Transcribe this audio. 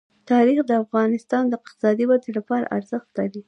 تاریخ د افغانستان د اقتصادي ودې لپاره ارزښت لري.